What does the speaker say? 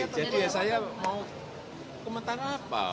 jadi saya mau komentar apa